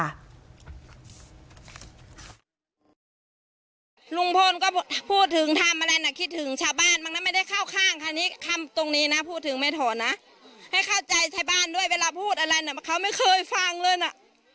ลุงพลก็พูดถึงทำอะไรน่ะคิดถึงชาวบ้านบ้างนะไม่ได้เข้าข้างค่ะนี่คำตรงนี้นะพูดถึงไม่ถอนนะให้เข้าใจชาวบ้านด้วยเวลาพูดอะไรน่ะเขาไม่เคยฟังเลยน่ะ